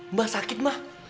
mbak sakit mbak